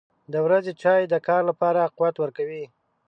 • د ورځې چای د کار لپاره قوت ورکوي.